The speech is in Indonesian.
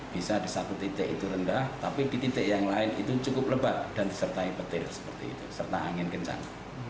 bisa di satu titik itu rendah tapi di titik yang lain itu cukup lebat dan disertai petir seperti itu serta angin kencang